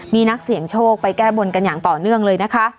มีนักเสี่ยงโชคไปแก้บนกันอย่างต่อเนื่องเลยนะคะ